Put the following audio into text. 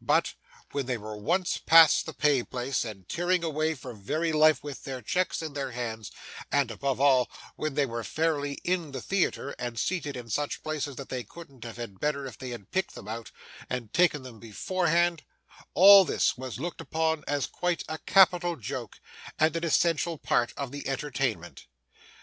But, when they were once past the pay place and tearing away for very life with their checks in their hands, and, above all, when they were fairly in the theatre, and seated in such places that they couldn't have had better if they had picked them out, and taken them beforehand, all this was looked upon as quite a capital joke, and an essential part of the entertainment.